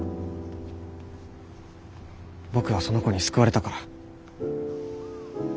僕はその子に救われたから。